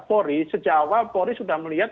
pori sejauh pori sudah melihat